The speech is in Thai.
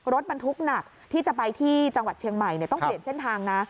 รถบรรทุกหนักที่จะไปที่จังหวัดเชียงใหม่ต้องเปลี่ยนเส้นทางนะ